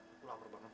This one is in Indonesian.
aku lapar banget